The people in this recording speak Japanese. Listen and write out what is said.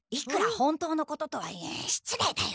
本当のこととはいえしつれいだよ！